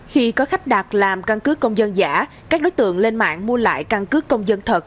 khi có khách đặt làm căn cứ công dân giả các đối tượng lên mạng mua lại căn cước công dân thật